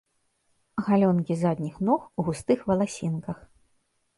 Галёнкі задніх ног у густых валасінках.